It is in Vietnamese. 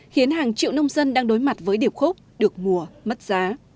khiến hàng triệu nông dân đang đối mặt với điểm khúc được mùa mất giá